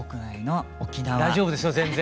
大丈夫ですよ全然。